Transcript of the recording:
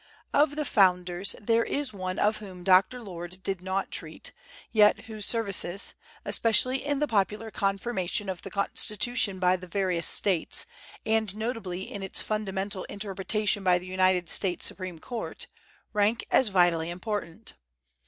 Of the "Founders" there is one of whom Dr. Lord did not treat, yet whose services especially in the popular confirmation of the Constitution by the various States, and notably in its fundamental interpretation by the United States Supreme Court rank as vitally important.